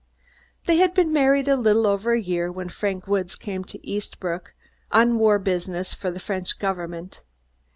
They had been married a little over a year when Frank Woods came to Eastbrook on war business for the French Government.